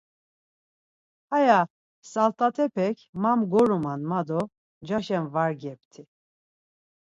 Haya salt̆at̆epek ma mgoruman ma do ncaşen var gepti.